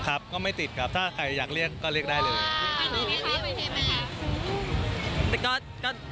ก็ไม่ติดครับถ้าใครอยากเรียกก็เรียกได้เลยไหมคะ